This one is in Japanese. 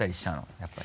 やっぱり。